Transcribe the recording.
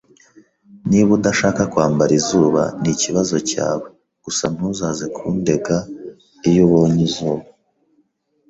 Niba udashaka kwambara izuba, nikibazo cyawe. Gusa ntuzaze kundega iyo ubonye izuba.